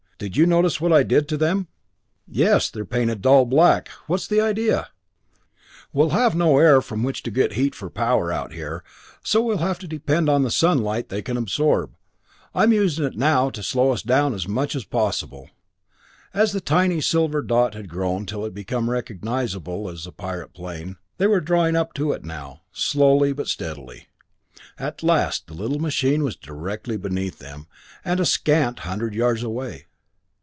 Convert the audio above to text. Did you notice what I did to them?" "Yes, they're painted a dull black. What's the idea?" "We'll have no air from which to get heat for power out here, so we'll have to depend on the sunlight they can absorb. I'm using it now to slow us down as much as possible." At last the tiny silver dot had grown till it became recognizable as the pirate plane. They were drawing up to it now, slowly, but steadily. At last the little machine was directly beneath them, and a scant hundred yards away.